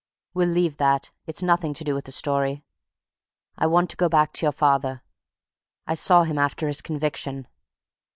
We'll leave that, it's nothing to do with the story. I want to go back to your father. I saw him after his conviction.